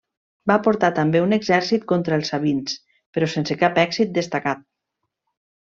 Va portar també un exèrcit contra els sabins, però sense cap èxit destacat.